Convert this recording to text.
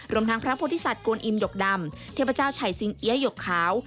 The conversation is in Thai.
รวมทางพระพุทธศัตริย์กวนอิมหยกดำเทพเจ้าไฉสิงเอียหยกขาว